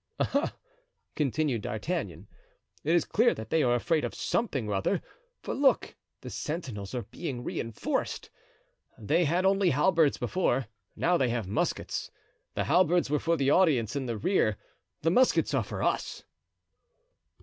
"Aha!" continued D'Artagnan, "it is clear that they are afraid of something or other; for look, the sentinels are being reinforced. They had only halberds before, now they have muskets. The halberds were for the audience in the rear; the muskets are for us."